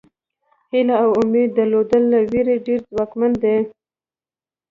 هیله او امید درلودل له وېرې ډېر ځواکمن دي.